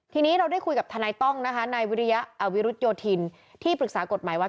ทีนี้เราได้คุยกับทนายต้องนะคะนายวิริยะอวิรุธโยธินที่ปรึกษากฎหมายวัด